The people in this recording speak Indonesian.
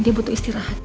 dia butuh istirahat